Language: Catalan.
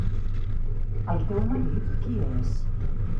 El teu marit, qui és?